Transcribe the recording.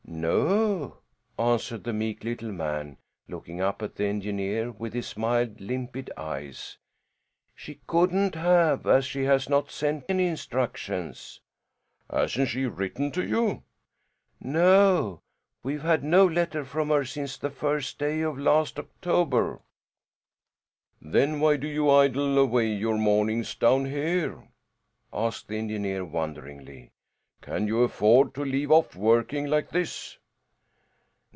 "No," answered the meek little man, looking up at the engineer with his mild, limpid eyes, "she couldn't have, as she has not sent any instructions." "Hasn't she written to you?" "No; we've had no letter from her since the first day of last October." "Then why do you idle away your mornings down here?" asked the engineer, wonderingly. "Can you afford to leave off working like this?"